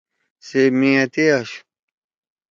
سے میاتی آشُو۔